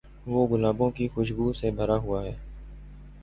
وہ گلابوں کی خوشبو سے بھرا ہوا ہے۔